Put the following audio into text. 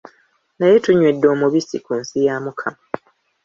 Naye tunywedde omubisi ku nsi ya Mukama!